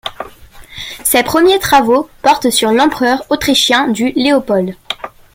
Ses premiers travaux portent sur l'empereur autrichien du Léopold.